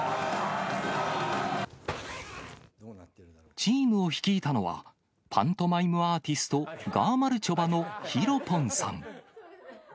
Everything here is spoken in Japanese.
チームを率いたのは、パントマイムアーティスト、がまるちょばのヒロポンさん。